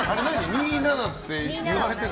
２７って言われてるの？